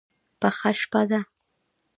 پخه شپه ده.